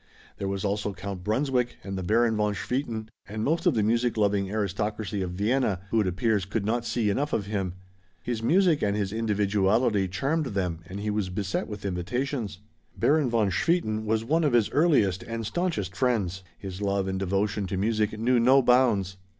There was also Count Brunswick and the Baron von Swieten, and most of the music loving aristocracy of Vienna, who it appears could not see enough of him. His music and his individuality charmed them and he was beset with invitations. Baron von Swieten was one of his earliest and staunchest friends. His love and devotion to music knew no bounds.